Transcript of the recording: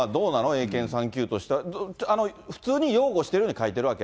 英検３級としたら、普通に擁護してるように書いてるわけ？